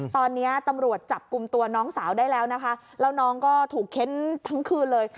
ตอนนี้ตำรวจจับกลุ่มตัวน้องสาวได้แล้วนะคะแล้วน้องก็ถูกเค้นทั้งคืนเลย